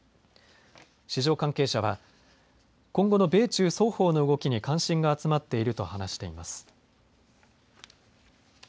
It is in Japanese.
市場関係者は、今後の米中双方の動きに関心が集まっていると話しています。